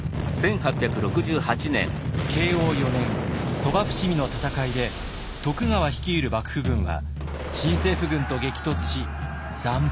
慶応四年鳥羽・伏見の戦いで徳川率いる幕府軍は新政府軍と激突し惨敗。